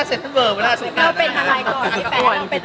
ก็เป็นอะไรก่อนพี่แฟน